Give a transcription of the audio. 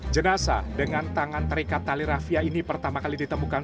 jenasa dengan tangan terikat tali rafia ini pertama kali ditemukan